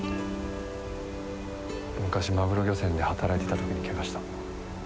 昔マグロ漁船で働いてた時に怪我した。